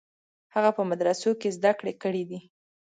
هغه په مدرسو کې زده کړې کړې دي.